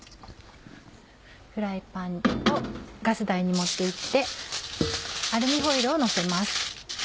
フライパンをガス台に持って行ってアルミホイルをのせます。